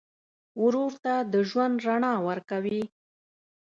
ورور ته د ژوند رڼا ورکوې.